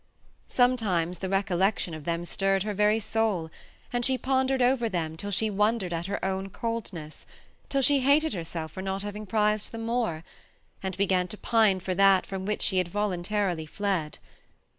Sometimes the recollection of them stirred her very soul, and she pondered over them till she wondered at her own coldness, till she hated herself for not having prized them more, and began to pine for that from which she liad voluntarily fled.